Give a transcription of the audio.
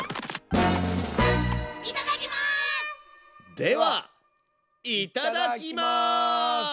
ではいただきます！